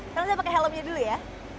tapi saya pakai helmnya dulu ya